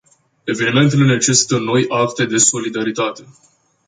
Evenimentele necesită noi acte de solidaritate.